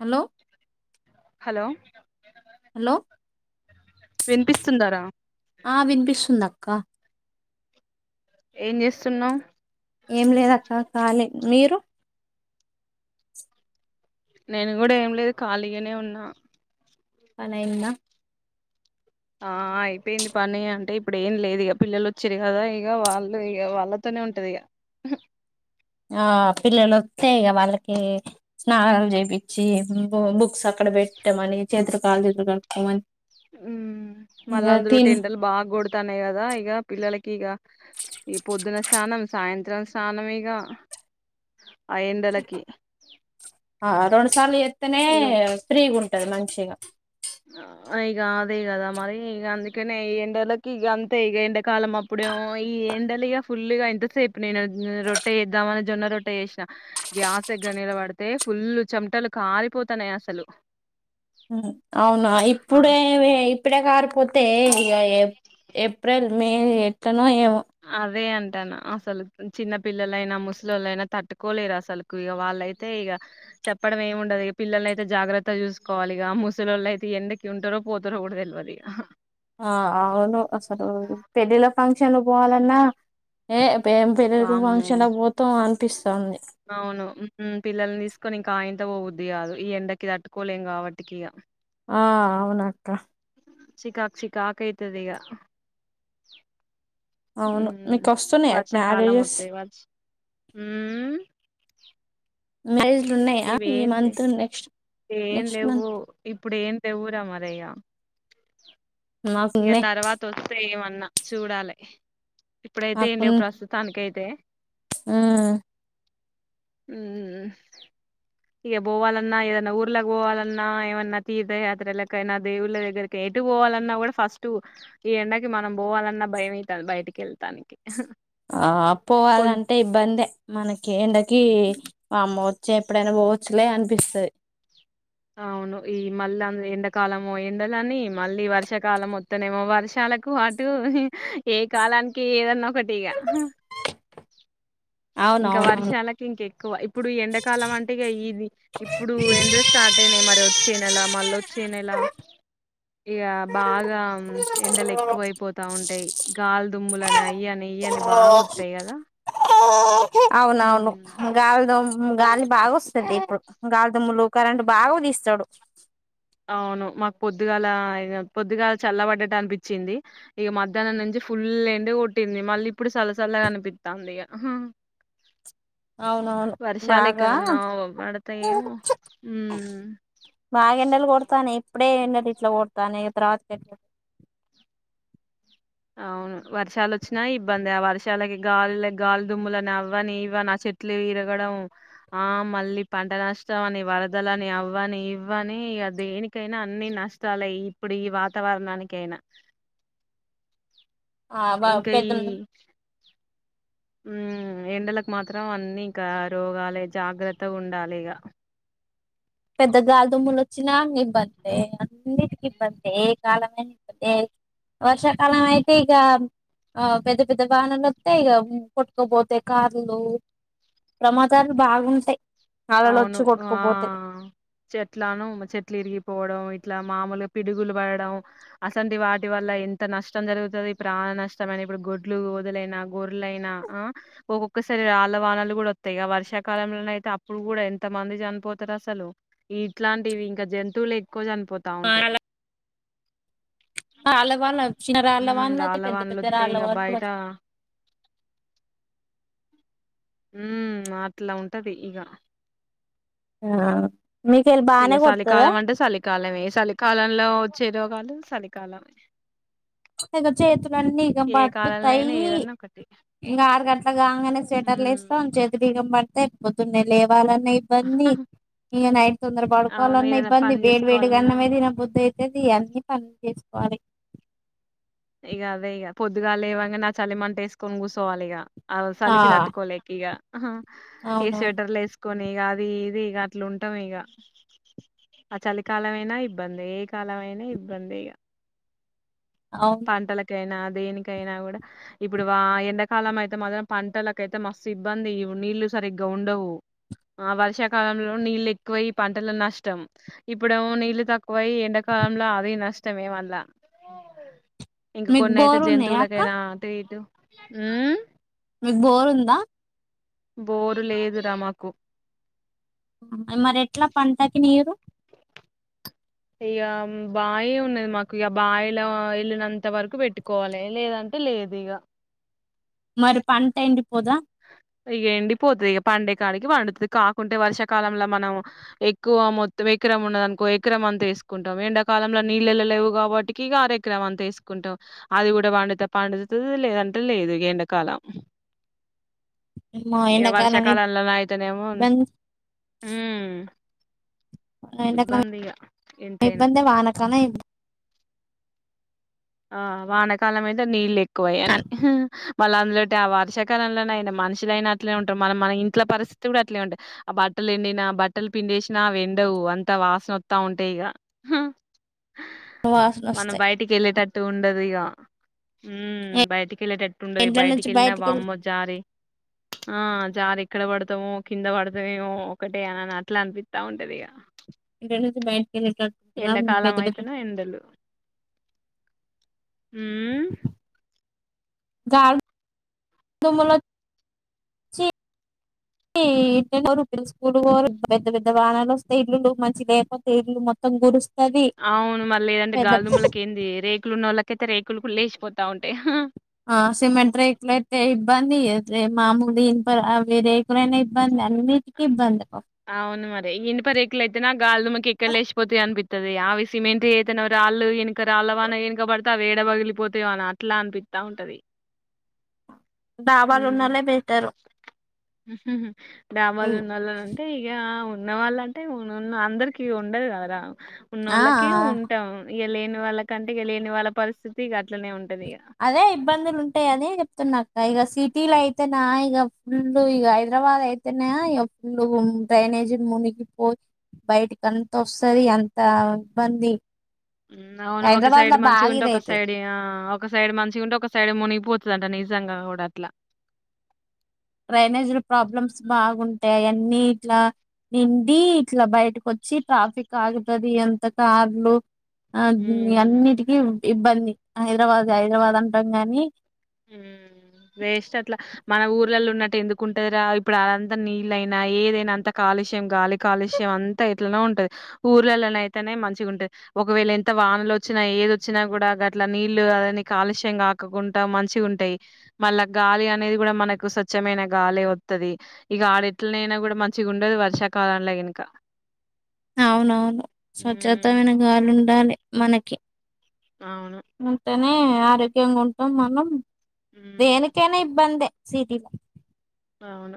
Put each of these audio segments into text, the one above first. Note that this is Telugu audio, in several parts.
హలో హలో హలో వినిపిస్తుందారా ఆ వినిపిస్తు ఉంద క్క ఏం చేస్తున్నావ్ ఏం లేద అక్క ఖాళీ మీరు నేను కూడా ఏం లేదు ఖాళీగానే ఉన్నా పనైంద ఆ అయిపోయింది పని అంటే ఇప్పుడు ఏం లేదు ఇక పిల్లలు వచ్చారు కదా ఇక వాళ్ళు ఇక వాళ్ళతోనే ఉంటది ఇక ఆ పిల్లలు వస్తాయిక వాళ్ళకి స్నానాలు చేపించి బుక్స్ అక్కడ పెట్టమని చేతులు కాలు ఎదు కడతామని ఉ మళ్ళా అందులో టెంటలు బాగా కొడుతాన్నాయి కదా ఇక పిల్లలకి ఇక ఈ పొద్దున్న స్నానం సాయంత్రం స్నానం ఇక ఆ ఎండలకి ఆ రెండుసార్లు చేత్తనే ఇక ఫ్రీగుంట తమాం చేయగా ఇక అదే కదా మరి ఇక అందుకనే ఈ ఎండలకి ఇక అంతే ఇ ఎంకాలం అప్పుడేమో ఈ ఎండలుగా ఫుల్గా ఎంతసేపు నేను రొట్టె చేద్దామని జొన్న రొట్టె చేసిన గ్యాస్ దగ్గర నిలబడితే ఫుల్ చెమటలు కారిపోతాన్నాయి అసలు హ అవునా ఆ ఇప్పుడేవి ఇప్పుడే కారిపోతే ఇక ఏ ఏప్రిల్ మే ఏమో అదే అంత అంట అసలు చిన్న పిల్లలైనా ముసలిళ్ళైనా తట్టుకోలేరు అసలులకు ఇక వాళ్ళైతే ఇక చెప్పడం ఏమి ఉండదుక పిల్లల అయితే జాగ్రత్త చూసుకోవాలి ఇక ముసలిళ్ళ అయితే ఎండకి ఉంటారో పోతారో కూడా తెలియదుక ఆ అవును అసలు పెళ్ళిల ఫంక్షన్ పోవాలన్నా ఏ ఏం పిళ్ళికి వామ్మో ఫంక్షన్ పోతాం అ కనిపిస్తుంది అవును పిల్లల్ని తీసుకొని ఇంకా ఆయంత పోవుద్ది కాదు ఈ ఎండకి తట్టుకోలేం కాబట్టికి ఆ అవునక్క చికాక్ చికాక్ అయితాదిక అవును ఉమ్ మీకొస్తున్నాయా వర్షాకాలం మ్యారేజెస్ మొత్తె వర్ష ఉమ్ మీర్ ఇవేం లేవు ఏం నెక్స్ట్ లేవు మంత్ ఇప్పుడు ఏం లేవురా మరియ్యా ఇక నాకున్నాయి తర్వాత వస్తే అన్నా చూడాలి ఇప్పుడైతే ఇండియ ప్రస్తుతానికిైతే త్ ఆ ఉహ్ ఇక పోవాలన్న ఏ వన్నా ఊర్లకు పోవాలన్నా ఏమన్నా తీర్థయాత్ర ఎయినా దేవుళ్ళ దగ్గరకి ఎటు పోవాలన్నా కూడా ఫస్టు ఈ ఎండకి మనం బోవాలన్న భయం అవుతంది బయటికి వెళతానికి ఆ పోవాలంటే ఇబ్బందిే మనకి ఎండకి వామ్మె చె ఎప్పుడైనా పోవచ్చులే అనిపిస్తది అవును ఈ మళ్ళ ఎండకాలమో ఎండలని మళ్ళీ వర్షాకాలం మొత్తనేేమో వర్షాలకు అటు ఏ కాలానికి ఏదన్నా ఒకటిగా ఇంక అవునవునవును వర్షాలకి ఇంక ఎక్కువ ఇప్పుడు ఎండకాలం అంటేగ ఇది ఇప్పుడు ఎండలు స్టార్ట్ అయినయి మరి వచ్చే నెల మళ్ళ వచ్చే నెల ఇక బాగా ఎండలు ఎక్కువ అయిపోతా ఉంటాయి గాలిదుుమ్ములు అని అయ్యి అని ఇయ్యని బాగా వస్తాయి కదా అవునవును హ్మ్ గాల్ తోం గాలి బాగ వస్తుది ఇప్పుడు గాలి దమ్ములు కరంట్ బాగా తీస్తాడు అవును మాకు పొద్దుగాల పొద్దుగాల చల్లబడ్డట్టు అనిపించింది ఇక మధ్యాహ్నం నుంచి ఫుల్ ఏండ కొట్టింది మళ్ళీ ఇప్పుడు చల్ల చల్లగా అనిపిస్తాంది ఇక అవునవును బాగా పడతాయేమో ఉమ్ బాగ ఎండలు కాని ఇప్పుడే ఎండలు ఇట్ల కొడతనే తర్వాత అవును వర్షాలు వచ్చినా ఇబ్బంది ఆ వర్షాలకి గాలి గాలిదుమ్ములని అవ్వని ఇవ్వని ఆ చెట్లు విరగడం ఆ మళ్ళీ పంట నష్టం అని వరదలని అవ్వని ఇవ్వని దేనికైనా అన్నిీ నష్టాలె ఇప్పుడు ఈ వాతావరణాననికి అయిన ఆ వాల్ పెద్దమ్మ ఉమ్ ఎండలకు మాత్రం అన్నిీ ఇక రోగాలే జాగ్రత్త ఉండాలె ఇక పెద్ద గాలిదుుమ్ములు వచ్చినా ఇబ్బందె అన్నిటికి ఇబ్బందె ఏ కాలమైనా ఇబ్బందిా వర్షాకాలం అయితే ఇక ఆ పెద్ద పెద్ద వాహనాలు వస్తే ఇక కొట్టుకోపోతాయి కార్లు ప్రమాదాలు బాగుంటాయి అలలు అవును వచ్చి వా కొట్టుకుపోతాయి చెట్లాను చెట్లు ఇరిగిపోవడం ఇట్ల మామలుగా పిడుగులు పడడం అసంటి వాటి వల్ల ఎంత నష్టం జరుగుతుది ఇ ప్రాణ నష్టమైన ఇప్పుడు గొడ్లు గోదలైనా గోరలైనా ఒక్కొక్కసారి వాళ్ళ వానలు కూడా వస్తాయి వర్షాకాలంలో నె అయితే ఇప్పుడు కూడ ఎంత మంది చనిపోతారు అసలు ఈ ఇట్లాంటివి ఇంక జంతువులు ఎ క్కువ చనిపోతా ఉంటాయి అల్ల వాల్ల చ్చిన రాళ్ళవ ఉమ్ వాళలో రాళ్ళ పెద్ద వానలు పెద్ద వత్తాయి రాళ్ళ ఇగ బయట ఉ అట్ల ఉంటది ఇగ ఆ మీకేలీ బానే కొడుతదా కాలమే చలికాలంలో వచ్చే రోగాలు చలికాలాం ఇగ చేతులున్నీ ఇగం కాలంలో పట్టుతాయి అయినా ఏదన్నా ఒకటి ఇంగా ఆరు గంటలు కాంగానే సెటర్లు ఉమ్ ఏసుకోనీ చేతులు ఇగం ప తాయి పొద్దున్నే లేవాలని ఇబ్బంది ఇగ నైట్ తొందర అవును పడుకోవాలన్నా ఏదైనా ఇబ్బంది పని వేడి వేడిగా చేసుకోవాలన్నా అన్నమే తిన బుద్ది ఇది అన్నీ పనులు చేసుకోవాలే ఇక అదే ఇక పొద్దుగా లేవంగానె ఆ చలిమంట వేసుకొని కూచోవాలె ఇక ఆ సలకి తట్టుకోలేక ఈగ అహ ఏ అవునవును స్వేటర్లస్ కొని ఇగ అది ఇది ఇక అట్లు ఉంటాం ఇక ఆ చలికాలంమయినా ఇబ్బందె ఏ కాలమైనా ఇబ్బందెఇక అవున్ పంటలకైనా దేనికైన కూడ ఇప్పుడు ఎండాకాలం అయితే మాత్రం పంటలకైతే మస్తు ఇబ్బంది నీళ్లు సరిగ్గా ఉండవు ఆ వర్షాకాలంలో నీళ్ళ ఎక్కువ పంటలు నష్టం ఇప్పుడు నీళ్లు తక్కువ వయి ఎండకాలంల అది నష్ ఇష్టమే మల్ల ఇంక మీకు కొన్నయితే బోరు ఉన్నాయా అక్క జంతువులకైనా అటు ఇటు ఉ మీకు బోరుందా బోరు లేదురా మాకు మరి ఎట్లా పంటకి నీరు ఇయ బాయి ఉన్నది మాకు ఇగా బాయిల యెల్లినంత వరకు పెట్టుకోవాలే లేదంటే లేదు ఇగ మరి పంట ఎండి పోదా ఇగ ఎండిపోతది ఇగా పండేకాడికి పండుతది కాకుంటే వర్షాకాలంలో మనం ఎక్కువ మొత్తం ఎకరం ఉన్నదనుకో ఎకరం అంతా ఏసుకుంటాం ఎండాకాలంల నీళ్ళెళ్ళ లేవు కాబట్టికి ఇగ ఆర ఎకరం అంతా ఏసుకుంటాం అది కూడా పండుతే పండుతుంది లేదంటే లేదు ఇగ ఎండకాలం ఏమో ఇగా ఎండాకాలం వర్షాకాలంల నయితేనేమో ఇబ్బంది ఉ ఎండ కాలం ఎంతైనా ఇబ్బందే వాన కాలం ఇబ్బం ఆ వానకాలం అయితే నీళ్ళు ఎ క్కువయని మళ్ళ అందులోటి ఆ వర్షాకాలంల నైన మనుషులైనా అట్లే ఉంటం మనం మన ఇంట్ల పరిస్థితి కూడా అట్లే ఉంటాయి ఆ బట్టలు ఎండినా బట్టలు పిండేసినా అవి ఎండవు అంత వాసన అత్తవుంటాయి ఇగ వాసన మనం వస్తాయి బయటికి ఏళ్ళేటట్టు టు ఉండదిగా ఉ బయటికి ఏళ్ళేటట్టు ఉండది ఇంట్లో బయటికి నుంచి ఎళ్ళినా వెళ్ళి వామ్మో జారి ఆ జారి ఎక్కడ పడతామో కింద పడతామేమో ఒకటే అని అట్లా అనిపిత్త ఉంటది ఇగా ఇంట్ల నుంచి బయ వీళ్లు ఇక్కడుంటారా ఎండాకాలం పెద్ద పెద్ద ఊ గాలి దుములోచ్చి ఈ పిల్లోరు ఇద్దరు స్కూల్ పోరు పెద్ద పెద్ద వానాలు వస్తే ఇల్లులు మంచి లేపోతే ఇల్లు మొత్తంకురుస్తూ అవును మళ్ళీ ఏదంటే గాల్దుమ్మలకి ఏంది రేకులు ఉన్న వాళ్ళకైతే రేకు కులుకులు లేచిపోతా ఉంటాయి. ఆ సిమెంట్ రేకుల అయితే ఇబ్బంది. మామూలు ఇనప అవి రేకులైనా ఇబ్బందే అన్నిటికి ఇబ్బందే. అవును మరి ఇనుప రేకులు అయితే నా గాలి దుమ్ముకి ఎక్కడ లేచిపోతాయ అనిపి తది, అవి సిమెంటియి అయితేనెమో రాళ్ళు వెనక రాళ్ళ వాన గినక పడితే అవి ఏడ పగిలిపోతయో అని అట్లా అనిపిత్తా ఉంటది. డాబాలు ఉన్నోల్లే బెటరు. హుహ్హు డాబాలు ఉనోళ్ళనంటే ఇగ ఉ ఉన్నవాళ్ళ అంటే ఉనున్న అందరికి ఉండదు కదా ఆ ఉన్నోళ్ళకి ఉంటాం ఇగా లేని వాళ్ళ కంటే ఇగ లేని వాళ్ళ పరిస్థితి ఇగ అట్ననే ఉం అదే ఇబ్బందులు ఉంటాయనే చెప్తున్నా ఇగ. ఇగా సిటీ లైతేనా ఇగ ఫుల్ ఇగ హైదరాబాద్ అయితేనేమో ఇగ ఫుల్ డ్రైనేజ్ మునిగిపో బయటకి అంత వస్తది అంత ఇబ్బంది. అవును ఒక హైదరాబాద్ సైడ్ లో బాగా మంచిగుంటే ఒక ఇదైతది సైడ్ ఆ ఒక సైడ్ మంచిగా ఉంటే ఒక సైడ్ మునిగిపోత లంట నిజంగా కూడా అట్లా డ్రైనేజ్లు ప్రాబ్లమ్స్ బాగుంటయి అయన్నీ ఇట్లా నిండి ఇట్లా బయటకు వచ్చి ట్రాఫిక్ ఆగుతది అంత కార్లు ఆ హ్మ్. అన్నిటికి ఇబ్బంది హైదరాబాద్ హైదరాబాద్ అంటం గాని హ్ వేస్ట్ అట్లా మన ఊర్లలో ఉన్నట్టు ఎందుకుంటదిరా. ఇప్పుడు అంత నీళ్ళైనా ఏదైనా అంత కాలుష్యం గాలి కాలుష్యం అంతా ఎట్లనో ఉంటది. ఊర్లల్లా అయితేనే మంచిగా ఉంటది. ఒకవేళ ఎంత వానలు వచ్చినా ఏదొచ్చినా కూడా గట్ల నీళ్ళు అవి అన్నీ కాలుష్యం కాకోకుంటా మం మంచిగ ఉంటయి. మళ్ళా గాలి అనేది కూడా మనకు స్వచ్ఛమైన గాలె వత్తది. ఇగ ఆడెట్నైనా కూడా మంచిగా ఉండదు వర్షాకాలంలో గినుక. అవునవును స్వచ్ఛతమైన గాలి ఉండాలె. మనకి అవును. నే ఆరోగ్యంగా ఉంటం మనం. హ్మ్ దేనికైనా ఇబ్బందే. సిటిలా అవును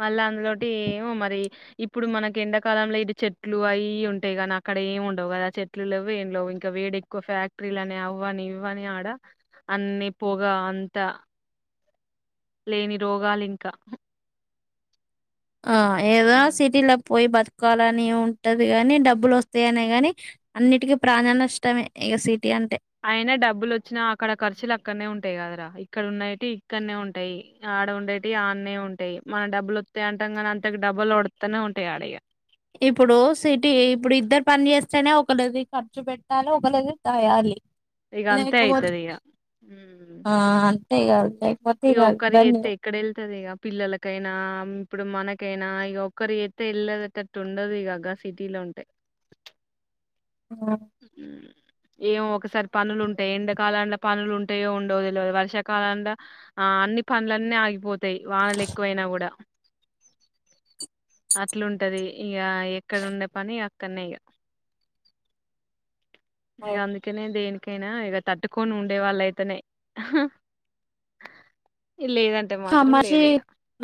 మళ్ళా అందులోటి ఏమో మరి ఇప్పుడు మనకి ఎండాకాలంలో ఇటు చెట్లు అయి ఇయి ఉంటాయి. కాని అక్కడ ఏమి ఉండవు కదా చెట్లులు ఏం లేవు. ఇంకా వేడి ఎక్కువ, ఫ్యాక్టరీలు అని అవని ఇవని ఆడ అన్ని పొగ అంత లేని రోగాలింకా ఆ ఏదో హ్మ్. సిటీలో పోయి బ తుక్కోవాలని ఉంటది. గాని డబ్బులు వస్తాయనే గాని అన్నిటికి ప్రాణా నష్టమే ఇగ సిటీ అంటే. అయినా డబ్బులు వచ్చినా అక్కడ ఖర్చులు అక్కన్నే ఉంటయి కదరా. ఇక్కడ ఉన్నాయిటివి ఇక్కన్నే ఉంటయి. ఆడ ఉండేటియి ఆన్నే ఉంటయి. మనం డబ్బులు వత్తయి అంటాం కానీ అంతకు డబుల్ వొడుతనే ఉంటాయి ఆడా ఇగా. ఇప్పుడు సిటీ ఇప్పుడు ఇద్దరు పని చేస్తేనే ఒకళది ఖర్చు పెట్టాలె ఒకళ్ది దాయాలి. ఇగ అంతే లేకపోతే అయితది ఇగ హ్ ఆ అంతే ఒ ఇగ లేకపోతే ఇగ ఒక్కరు ఇబ్బంది చెత్తె ఎక్కడ ఎళ్తది ఇగా పిల్లలకైనా ఇప్పుడు మన ఓకేనా ఇగ ఒక్కరు చెత్తే వెళ్ళెటట్టు ఉండదు ఇగా గా సిటీలో ఉంటే. ఆహ్ ఉమ్. ఏమో ఒకసారి. పనులు ఉంటాయి. ఎండకాలంలో పనులు ఉంటాయో ఉండవో తెలువదు. వర్షాకాలంల ఆహ్ అన్ని పనులన్నీ ఆగిపోతాయి. వానలు ఎక్కువైనా కూడా అట్లుంటది. ఇగ ఎక్కడ ఉండే పని అక్. కన్నయ్య. ఇంకా అందుకానే దేనికి. ఓకేనా ఇగ తట్టుకొని ఉండే వాళ్ళు అయితనే హ మషి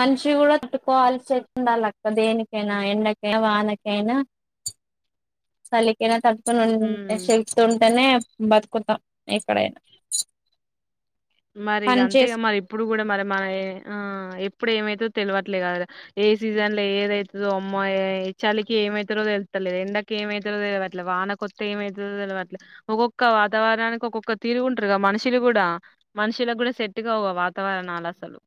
మనిషి కూడా తట్టుకోవాల్సి ఉండాల దేనికైనా ఎండకైనా, వానకైనా, చలికైనా త హ్ [unintelligible] శక్తి ఉంటనే బతుకుతాం ఎక్కడైనా. మరిగ పని అంతేగా చేసు మరి ఇప్పుడు కూడా మరి మన ఏ. ఆహ్ ఎప్పుడు ఏమైతదో తెలివట్లేదు కదా ఏ సీజన్ లో ఏదైతదో అమ్మా ఈ చలికి ఏమైతారో తెలుస్తలే ఎండాకి ఏమైతదో తెలివట్లేదు వానకి పోతే ఏమవుతదో తెలివట్లేదు ఒక్కొక్క వాతావరణానికి ఒక్కొక్క తిరుగుంటారు కాద మనుషులు కూడా. మనుషులకు కూడా సెట్టుగావు ఆ వాతావరణాలు అసలు.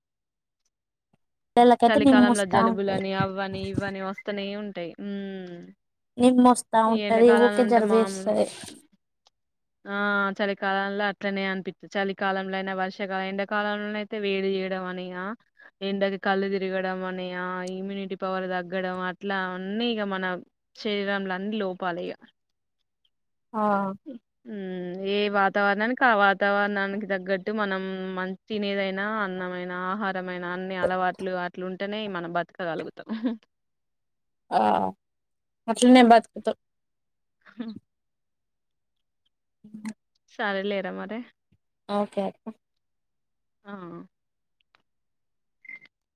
పిల్లలకైతే చలికాలంలో నిమ్మొస్తా ఉంటది జలుబులని అవ్వని ఇవ్వని వస్తనే ఉంటా అంటే ఇగ ఉమ్. నిమ్మొస్తా ఉంటది ఎండాకాలంలో ఊకే వుంటే మామూలు జలుబేస్తది ఆహ్ చలికాలంలో. అట్లనే అనిపిత్తది చలి. కాలంలో అయినా వర్షాకాలం ఎండాకాలంలో అయితే వేడి చేయడం అనియా ఎండకి కళ్ళు తిరగడం అనియా ఇమ్యూనిటీ పవర్ తగ్గడం అట్లా అన్నీ ఇగ మన శరీరంలో అన్ని లోపాలే ఇగా. ఆహ్ ఏ వాతావరణానికి ఆ వాతావరణానికి తగ్గట్టు మనం మం తినేదైనా అన్నమైన ఆహార. అందమైన అన్ని అలవాట్లు అట్లుంటే. తింటానే మనం బతకగలుగుతాం. ఆహ్ అట్లానే బతుకుతాము. ఉమ్ ఆహ్ సారే లేరా మరి. ఒకే అత్త ఆహ్